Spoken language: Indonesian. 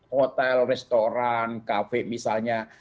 hotel restoran kafe misalnya